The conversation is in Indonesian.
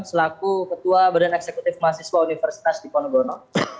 selaku ketua bem undip di ponogono